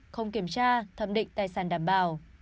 không kiểm tra thẩm định tài sản đảm bảo